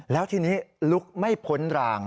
แล้วทีนี้ลุกไม่พ้นราง